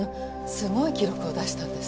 すごい記録を出したんです。